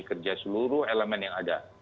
kerja seluruh elemen yang ada